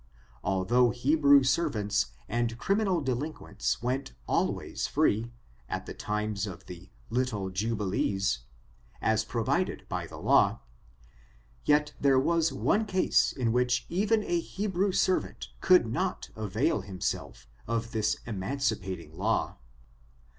Although Hebrew servants and criminal delinquents went always free, at the times of the little jubilees, as provided by the law, yet there was one case in which even a Hebrew servant could not avail himself of this emancipating law.